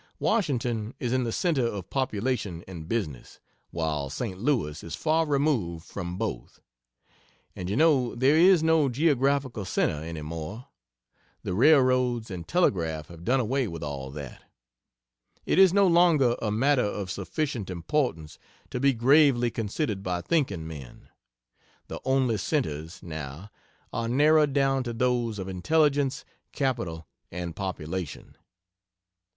Washington is in the centre of population and business, while St. Louis is far removed from both. And you know there is no geographical centre any more. The railroads and telegraph have done away with all that. It is no longer a matter of sufficient importance to be gravely considered by thinking men. The only centres, now, are narrowed down to those of intelligence, capital and population.